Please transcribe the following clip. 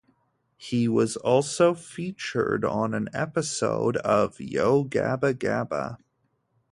He was also featured on an episode of Yo Gabba Gabba!